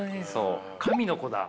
神の子だ。